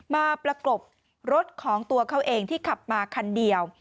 ประกบรถของตัวเขาเองที่ขับมาคันเดียว